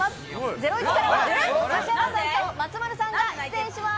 『ゼロイチ』からは指原さんと松丸さんが出演します。